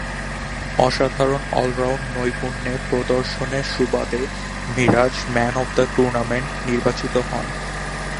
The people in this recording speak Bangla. অসাধারণ অল-রাউন্ড নৈপুণ্যে প্রদর্শনের সুবাদে Miraz "man of the tournament" নির্বাচিত হন।